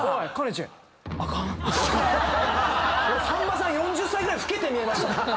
俺さんまさん４０歳ぐらい老けて見えましたもん。